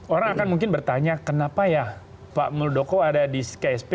orang akan mungkin bertanya kenapa ya pak muldoko ada di ksp